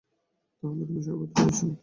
তা হলে তুমি সর্বত্র আছ।